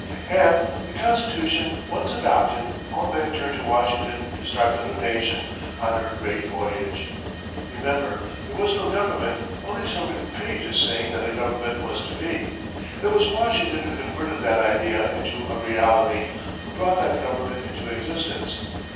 And, the Constitution once adopted, all men turned to Washington to start the new Nation on her great voyage. Remember, there was no government, only some written pages saying that a government was to be; it was Washington who converted that idea into a reality, who brought that government into existence.